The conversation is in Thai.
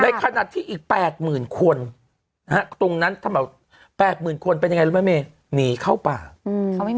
ในขณะที่อีกแปดหมื่นคนตรงนั้นแปดหมื่นคนเป็นยังไงรู้ไหมเมหนีเข้าป่าว